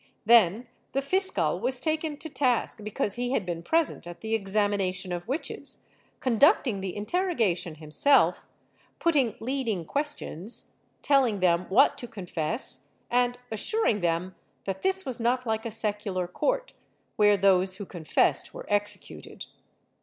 Then the fiscal was taken to task because he had been present at the examination of witches, con ducting the interrogation himself, putting leading questions, telling them what to confess and assuring them that this was not like a secular court, where those who confessed were executed.